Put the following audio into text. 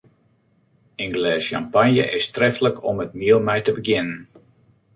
In glês sjampanje is treflik om it miel mei te begjinnen.